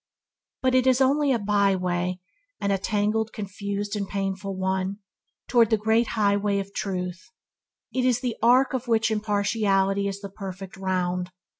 But it is only byway – and a tangled, confused and painful one – towards the great highway of Truth. It is the are of which impartiality is the perfect round.